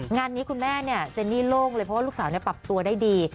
งานนี้คุณแม่จะนี่โล่งเลยเพราะลูกสาวปับตัวได้ดี